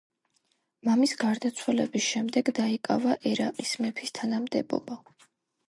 მამის გარდაცვალების შემდეგ დაიკავა ერაყის მეფის თანამდებობა.